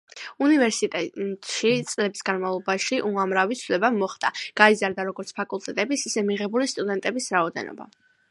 უნივერსიტეტში წლების განმავლობაში უამრავი ცვლილება მოხდა, გაიზარდა როგორც ფაკულტეტების, ისე მიღებული სტუდენტების რაოდენობა.